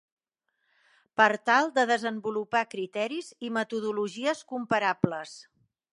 per tal de desenvolupar criteris i metodologies comparables